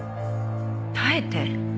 耐えて？